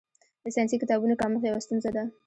د ساینسي کتابونو کمښت یوه ستونزه ده.